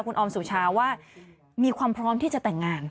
คุณออมสุชาว่ามีความพร้อมที่จะแต่งงาน